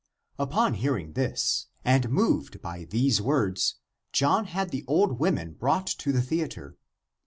Upon hearing this and moved by these words, John had the old women brought to the the atre.